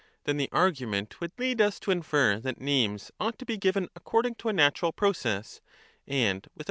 Then the argument would lead us to infer that names Socrates, ought to be given according to a natural process, and with a Her.